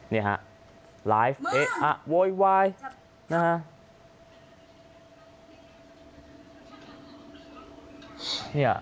นี่ฮะไลฟ์เอ๊ะอะโว่ยวาย